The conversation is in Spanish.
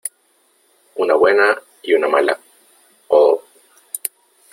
una buena y una mala .¡ oh !